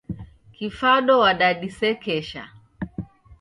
Kifado wadadisekesha.